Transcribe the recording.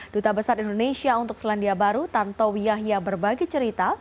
duta besar indonesia untuk selandia baru tanto wiyahya berbagi cerita